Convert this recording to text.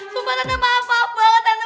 sumpah tante maaf maaf banget tante